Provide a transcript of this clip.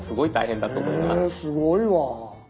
へえすごいわ。